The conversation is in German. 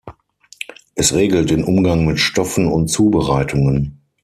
Es regelt den Umgang mit Stoffen und Zubereitungen.